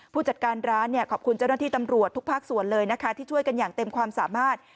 ผู้จัดการร้านขอบคุณเจ้าหน้าที่ตำรวจทุกภาคส่วนเลยนะคะที่ช่วยกันอย่างเต็มความสามารถ